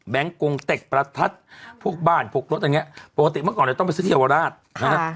แบงค์กรงเต็กประทัดพวกบ้านพวกรถอันเงี้ยปกติเมื่อก่อนเนี้ยต้องไปซื้อเที่ยวราชค่ะ